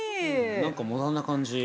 ◆なんかモダンな感じ。